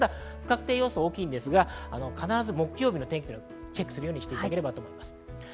不確定要素が大きいですが必ず木曜日の天気はチェックするようにしていただければと思います。